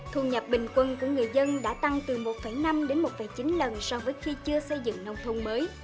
thu nhập bình quân của người dân đã tăng từ một năm đến một chín lần so với khi chưa xây dựng nông thôn mới